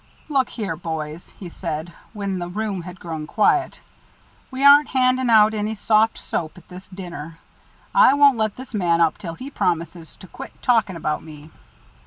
"Look here, boys," he said, when the room had grown quiet; "we aren't handing out any soft soap at this dinner. I won't let this man up till he promises to quit talking about me."